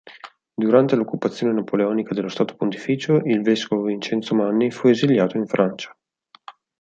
Durante l'occupazione napoleonica dello Stato Pontificio, il vescovo Vincenzo Manni fu esiliato in Francia.